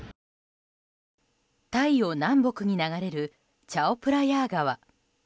タイを南北に流れるチャオプラヤー川。